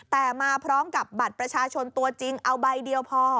แต่มาพร้อมกับบัตรประชาชนตัวจริงเอาใบเดียวพอ